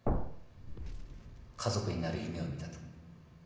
「家族になる夢を見た」と。